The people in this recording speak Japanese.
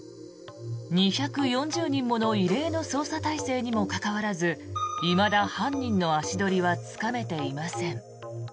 ２４０人もの異例の捜査態勢にもかかわらずいまだ犯人の足取りはつかめていません。